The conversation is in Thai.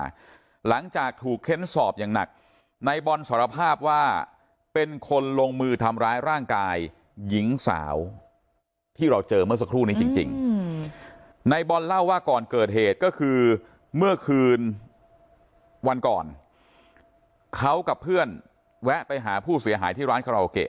หลังจากถูกเค้นสอบอย่างหนักในบอลสารภาพว่าเป็นคนลงมือทำร้ายร่างกายหญิงสาวที่เราเจอเมื่อสักครู่นี้จริงในบอลเล่าว่าก่อนเกิดเหตุก็คือเมื่อคืนวันก่อนเขากับเพื่อนแวะไปหาผู้เสียหายที่ร้านคาราโอเกะ